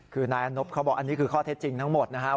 คือนายอนบเขาบอกอันนี้คือข้อเท็จจริงทั้งหมดนะครับ